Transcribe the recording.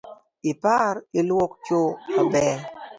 Ipar iluok cho maler.